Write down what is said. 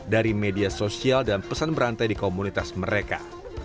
dari media sosial dan pesan berantai di komunitas mereka